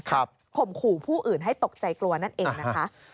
ข่มขู่ผู้อื่นให้ตกใจกลัวนั่นเองนะคะ